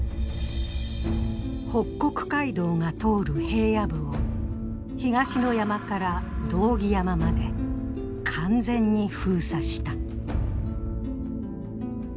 北国街道が通る平野部を東野山から堂木山まで完全に封鎖した。